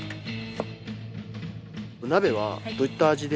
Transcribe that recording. お鍋はどういった味で？